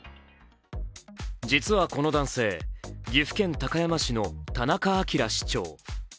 実はこの男性、岐阜県高山市の田中明市長。